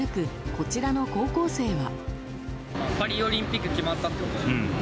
こちらの高校生は。